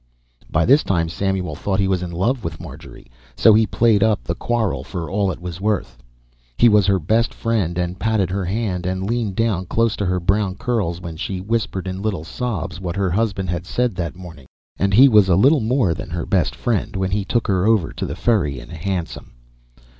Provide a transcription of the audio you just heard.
By this time Samuel thought he was in love with Marjorie so he played up the quarrel for all it was worth. He was her best friend and patted her hand and leaned down close to her brown curls while she whispered in little sobs what her husband had said that morning; and he was a little more than her best friend when he took her over to the ferry in a hansom.